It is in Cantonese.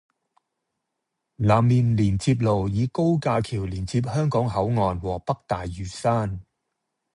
南面連接路以高架橋連接香港口岸和北大嶼山